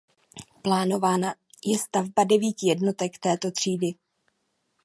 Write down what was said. Plánována je stavba devíti jednotek této třídy.